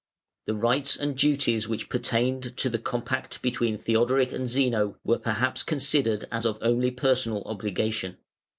The rights and duties which pertained to the compact between Theodoric and Zeno were perhaps considered as of only personal obligation.